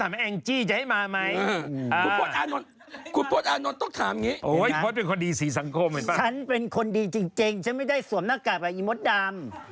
แต่สินใจแล้วถามให้จี้จะให้มาไหม